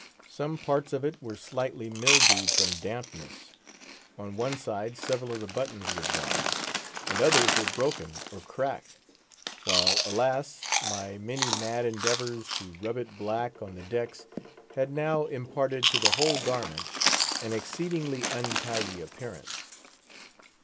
Some parts of it were slightly mildewed from dampness; on one side several of the buttons were gone, and others were broken or cracked; while, alas! my many mad endeavours to rub it black on the decks had now imparted to the whole garment an exceedingly untidy appearance.